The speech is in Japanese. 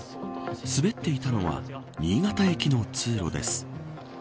滑っていたのは新潟駅の通路です。